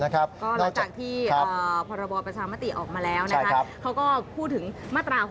ค่ะนอกจากที่พบประชามติออกมาแล้วนะครับเขาก็พูดถึงมาตรา๖๑